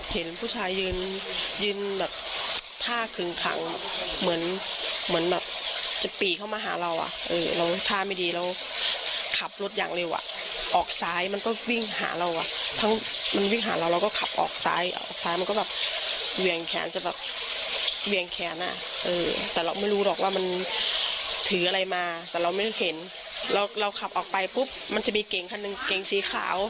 เขามาพอดีหนูก็บอกว่าคนร้ายคนร้ายคนร้ายอะไรอย่างนี้